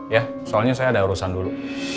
ya soalnya saya ada urusan dulu